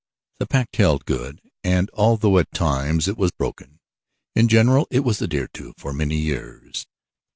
The pact held good, and although at times it was broken, in general it was adhered to for many years.